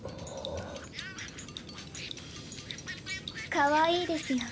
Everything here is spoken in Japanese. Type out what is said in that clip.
かわいいですよ。